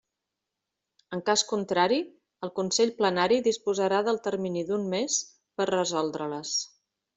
En cas contrari, el Consell Plenari disposarà del termini d'un mes per resoldre-les.